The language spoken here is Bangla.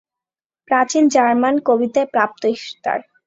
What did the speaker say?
প্রাচীন জার্মান কবিতায় প্রাপ্ত ইশতার।